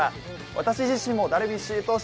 私自身もダルビッシュ有投手